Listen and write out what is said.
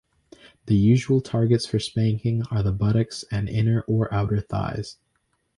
The usual targets for spanking are the buttocks and inner or outer thighs.